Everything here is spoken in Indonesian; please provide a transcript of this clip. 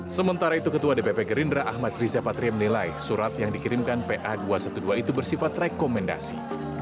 sementara itu ketua dpp gerindra ahmad riza patria menilai surat yang dikirimkan pa dua ratus dua belas itu bersifat rekomendasi